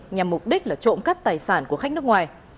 nhằm mục đích là trộm cắp tài sản của khách nước ngoài